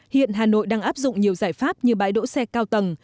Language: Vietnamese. hiện hà nội đang áp dụng nhiều giải pháp như bãi đỗ xe cao tầng